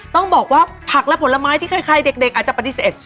ต้องบอกว่าผักและผลไม้ที่ใครเด็กอาจจะปฏิเสธ